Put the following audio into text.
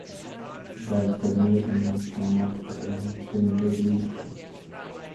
Sein Vermögen vermachte er den Jesuiten.